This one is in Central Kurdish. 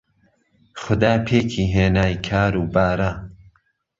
خودا پێکی هێنای کار و بارە